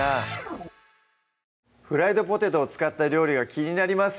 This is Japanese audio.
フライドポテトを使った料理が気になります